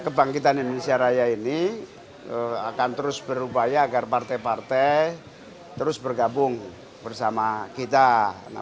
koalisi indonesia raya ini akan terus berubah ya agar partai partai terus bergabung bersama kita